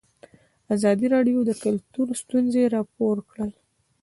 ازادي راډیو د کلتور ستونزې راپور کړي.